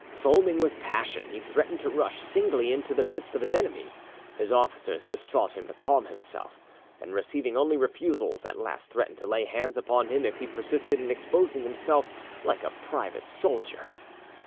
Foaming with passion, he threatened to rush singly into the midst of his enemies. His officers besought him to calm himself, and, receiving only refusals, at last threatened to lay hands upon him if he persisted in exposing himself like a private soldier.